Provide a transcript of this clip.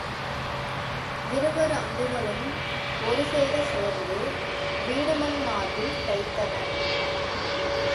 இருவர் அம்புகளும் ஒரு சேரச் சேர்ந்து வீடுமன் மார்பில் தைத்தன.